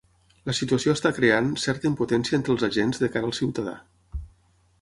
La situació està creant ‘certa impotència entre els agents de cara al ciutadà’.